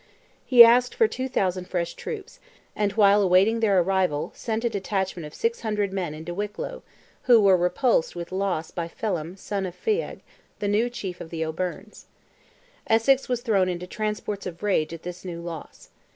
He asked for 2,000 fresh troops, and while awaiting their arrival, sent a detachment of 600 men into Wicklow, who were repulsed with loss by Phelim, son of Feagh, the new Chief of the O'Byrnes. Essex was thrown into transports of rage at this new loss.